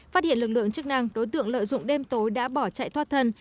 phát hiện lực lượng chức năng đối tượng lợi dụng đêm tối đã bỏ chạy thoát thân